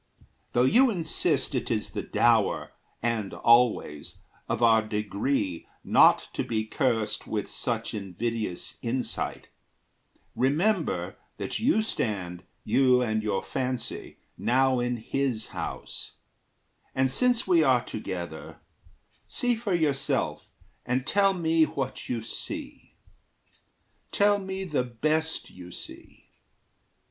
Though you insist It is the dower, and always, of our degree Not to be cursed with such invidious insight, Remember that you stand, you and your fancy, Now in his house; and since we are together, See for yourself and tell me what you see. Tell me the best you see.